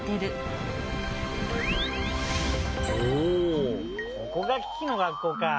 おおここがキキの学校か。